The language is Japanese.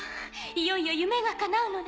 いよいよ夢が叶うのね。